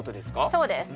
そうです。